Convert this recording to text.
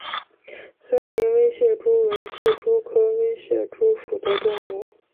森林微蟹蛛为蟹蛛科微蟹蛛属的动物。